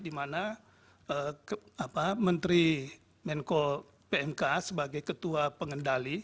dimana menteri kemenko pmk sebagai ketua pengendali